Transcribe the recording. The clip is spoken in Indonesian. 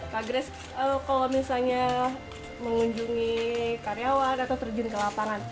kak grace kalau misalnya mengunjungi karyawan atau terjun ke lapangan